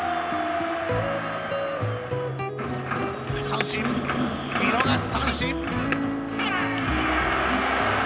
三振見逃し三振。